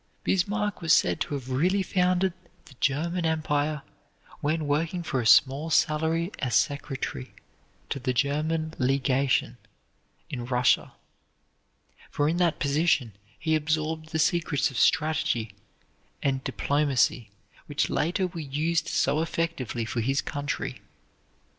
Bismarck was said to have really founded the German Empire when working for a small salary as secretary to the German legation in Russia; for in that position he absorbed the secrets of strategy and diplomacy which later were used so effectively for his country.